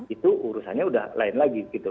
itu urusannya udah lain lagi gitu